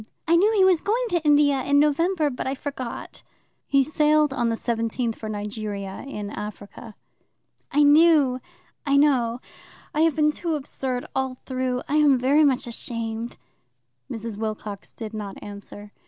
"I knew he was going to India in November, but I forgot." "He sailed on the 17th for Nigeria, in Africa." "I knew I know. I have been too absurd all through. I am very much ashamed." Mrs. Wilcox did not answer.